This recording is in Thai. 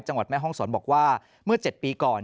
จังหวัดแม่ฮองศรบอกว่าเมื่อ๗ปีก่อน